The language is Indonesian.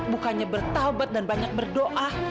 bukannya bertaubat dan banyak berdoa